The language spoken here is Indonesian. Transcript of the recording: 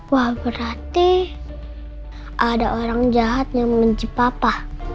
wah berarti ada orang jahat yang membenci papa